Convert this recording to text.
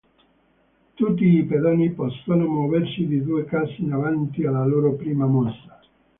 Tutti i pedoni possono muoversi di due case in avanti alla loro prima mossa.